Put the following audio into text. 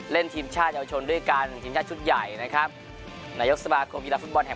ทีมชาติเยาวชนด้วยกันทีมชาติชุดใหญ่นะครับนายกสมาคมกีฬาฟุตบอลแห่ง